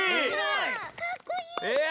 かっこいい。